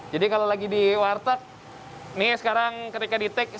jadi kalau lagi di warteg nih sekarang ketika di take